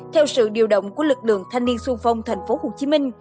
theo sự điều động của lực lượng thanh niên xuân phong tp hcm